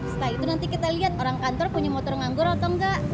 setelah itu nanti kita lihat orang kantor punya motor nganggur atau enggak